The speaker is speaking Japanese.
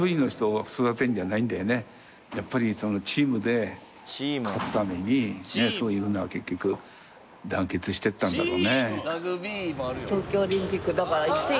やっぱりチームで勝つためにそういうふうな結局団結していったんだろうね。